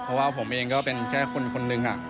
เพราะว่าผมเองก็เป็นแค่คนคนหนึ่ง